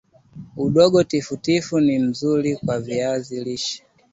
udongo tifutifu ni mzuri kwa viazi lishe